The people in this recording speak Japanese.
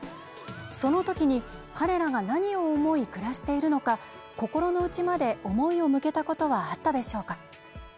その時に、彼らが何を思い暮らしているのか心の内まで思いを向けたことはあったでしょうか？